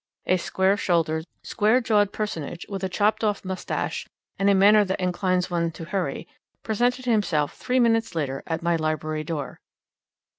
A square shouldered, square jawed personage, with a chopped off mustache and a manner that inclines one to hurry, presented himself three minutes later at my library door.